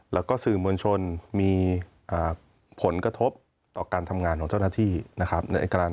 แล้วก็สื่อมวลชนมีผลกระทบต่อการทำงานของเจ้าหน้าที่นะครับ